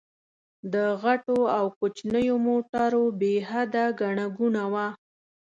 د غټو او کوچنيو موټرو بې حده ګڼه ګوڼه وه.